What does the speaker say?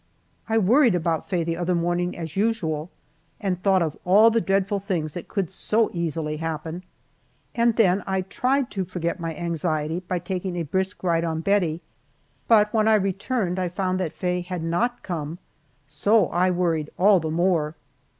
I worried about Faye the other morning as usual, and thought of all the dreadful things that could so easily happen. And then I tried to forget my anxiety by taking a brisk ride on Bettie, but when I returned I found that Faye had not come, so I worried all the more.